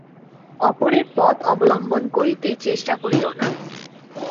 অপরের পথ অবলম্বন করিতে চেষ্টা করিও না।